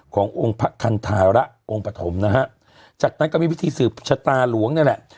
ขององค์พระคันธาระองค์ปฐมนะฮะจากนั้นก็มีพิธีสืบชะตาหลวงนี่แหละ